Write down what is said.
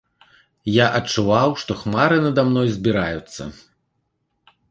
Я адчуваў, што хмары над мной збіраюцца.